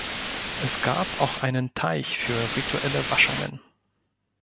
Es gab auch einen Teich für rituelle Waschungen.